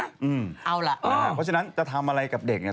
เอาล่ะเพราะฉะนั้นจะทำอะไรกับเด็กเนี่ย